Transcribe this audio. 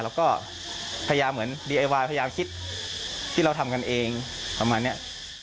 แล้วก็พยายามเหมือนดีไอวายพยายามคิดที่เราทำกันเองประมาณนี้